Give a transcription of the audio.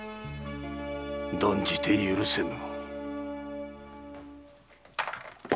断じて許せぬ。